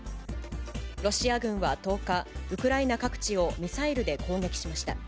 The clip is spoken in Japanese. ロシア軍は１０日、ウクライナ各地をミサイルで攻撃しました。